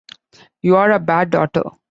You're a bad daughter.